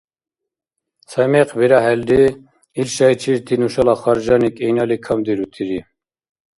Ца мекъ бирахӀелри, ил шайчирти нушала харжани кӀинали камдирутири.